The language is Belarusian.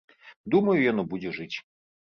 Думаю, яно будзе жыць.